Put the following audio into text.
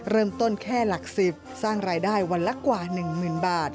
เริ่มต้นแค่หลักสิบสร้างรายได้วันละกว่าหนึ่งหมื่นบาท